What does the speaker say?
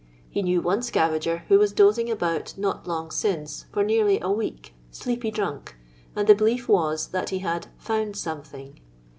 He knew one scavager who was doaing about not long since for nearly a week, " sleepy drunk," and the belief was that he had " (bond something."